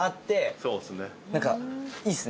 そうですね。